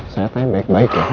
saya tanya baik baik ya